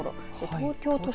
東京都心。